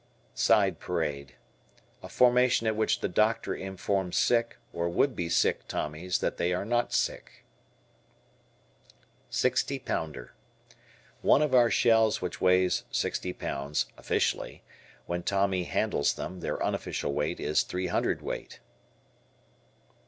Side Parade. A formation at which the doctor informs sick, or would be sick Tommies that they are not sick. Sixty pounder. One of our shells which weighs sixty pounds (officially). When Tommy handles them, their unofficial weight is three hundred weight.